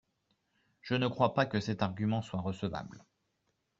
Je ne crois pas que cet argument soit recevable.